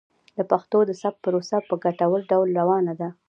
د پښتو د ثبت پروسه په ګټور ډول روانه ده.